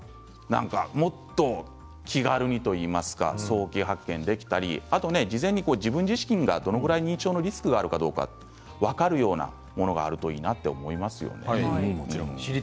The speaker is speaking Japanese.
八嶋さんがおっしゃったようにもっと手軽にといいますか早期発見できたり事前に自分自身がどれぐらい認知症のリスクがあるかどうか分かるようなものがあるといいなと思いますよね。